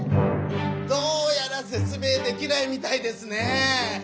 どうやらせつ明できないみたいですね！